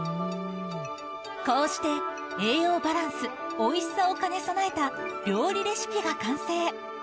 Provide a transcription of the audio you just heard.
こうして栄養バランス、おいしさを兼ね備えた料理レシピが完成。